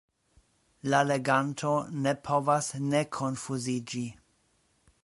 La leganto ne povas ne konfuziĝi.